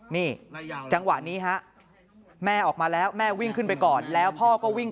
นี่จังหวะนี้ฮะแม่ออกมาแล้วแม่วิ่งขึ้นไปก่อนแล้วพ่อก็วิ่ง